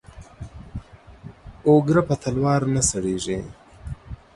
او گره په تلوار نه سړېږي.